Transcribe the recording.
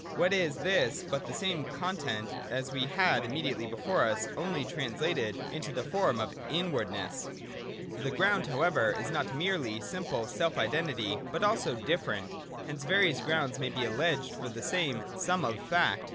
What is this but the same content as we had immediately before us, only trans lated into the form of inwardness ? The ground however is not merely simple self identity, but also different : hence various grounds may be alleged for the same sum of fact.